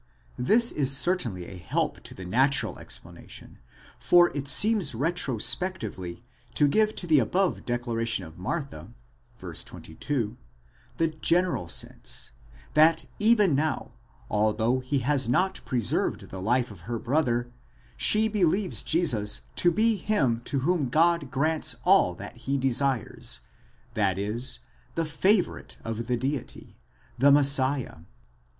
This is certainly a help to the natural explanation, for it seems retro spectively to give to the above declaration of Martha (v. 22) the general sense, that even now, although he has not preserved the life of her brother, she believes Jesus to be him to whom God grants all that he desires, that is, the favourite of the Deity, the Messiah.